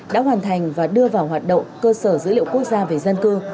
đã hoàn thành và đưa vào hoạt động cơ sở dữ liệu quốc gia về dân cư